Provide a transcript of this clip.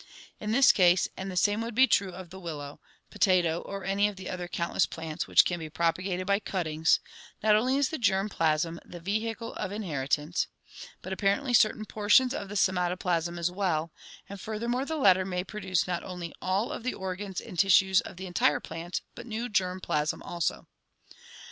In this case, and the same would be true of the willow, po tato, or any other of the countless plants which can be propagated by cuttings, not only is the germ plasm the vehicle of inheritance, 146 ORGANIC EVOLUTION but apparently certain portions of the somatoplasm as well, and furthermore the latter may produce not only all of the organs and tissues of the entire plant, but new germ plasm also.